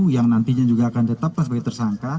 yang nantinya juga akan ditetapkan sebagai tersangka